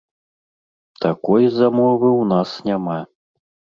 Такой замовы ў нас няма.